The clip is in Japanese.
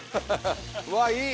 うわいい。